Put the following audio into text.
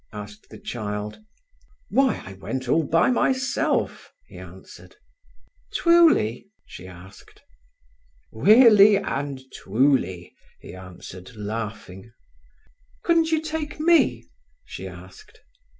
asked the child. "Why, I went all by myself," he answered. "Twuly?" she asked. "Weally and twuly," he answered, laughing. "Couldn't you take me?" she asked.